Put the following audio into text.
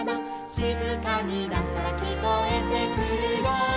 「しずかになったらきこえてくるよ」